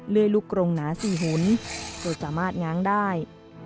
เลื่อยลูกกรงหนา๔หุ้นโดยสามารถง้างได้